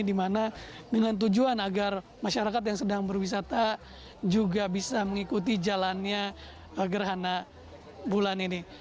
dimana dengan tujuan agar masyarakat yang sedang berwisata juga bisa mengikuti jalannya gerhana bulan ini